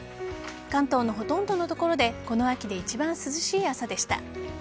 関東のほとんどの所でこの秋で一番涼しい朝でした。